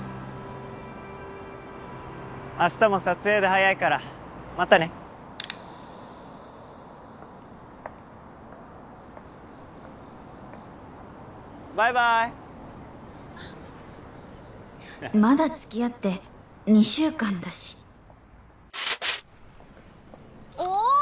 あ明日も撮影で早いからまたねバイバイまだ付き合って２週間だしおお！